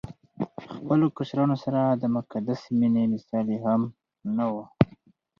خپلو کشرانو سره د مقدسې مينې مثال يې هم نه وو